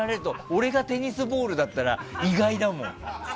俺がテニスボールだったら意外だもん。